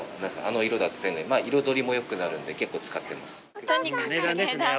あの色と彩りも良くなるので結構使ってます。